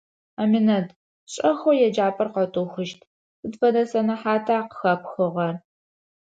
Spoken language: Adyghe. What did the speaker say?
Аминэт, шӀэхэу еджапӀэр къэтыухыщт, сыд фэдэ сэнэхьата къыхэпхыгъэр?